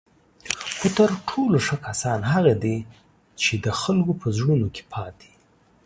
خو تر ټولو ښه کسان هغه دي چی د خلکو په زړونو کې پاتې